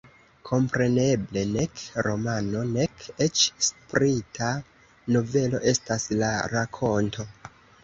Kompreneble nek romano, nek eĉ sprita novelo estas la rakonto.